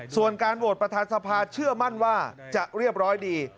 ส่วนการโหวตประธานสภาเชื่อมั่นว่าจะเรียบร้อยดี